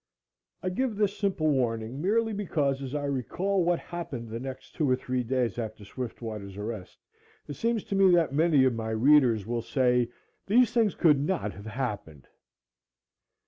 I give this simple warning merely because, as I recall what happened the next two or three days after Swiftwater's arrest, it seems to me that many of my readers will say, "These things could not have happened."